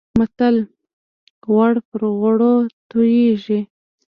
متل: غوړ پر غوړو تويېږي.